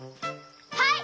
はい！